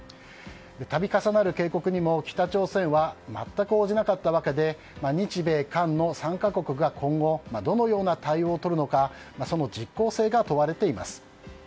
度重なる警告にも北朝鮮は全く応じなかったわけで日米韓の３か国が、今後どのような対応をとるのかその実行性が問われています。